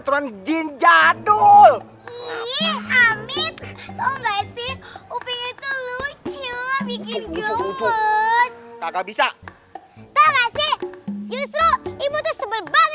tau gak sih justru ibu tuh sebel banget sama amin